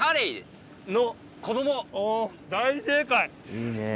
いいねぇ。